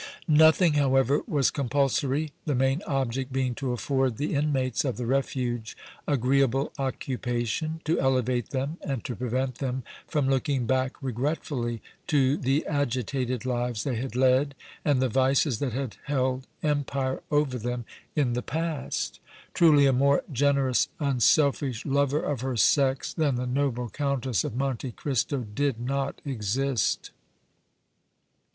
Nothing, however, was compulsory, the main object being to afford the inmates of the Refuge agreeable occupation, to elevate them and to prevent them from looking back regretfully to the agitated lives they had led and the vices that had held empire over them in the past. Truly a more generous, unselfish lover of her sex than the noble Countess of Monte Cristo did not exist.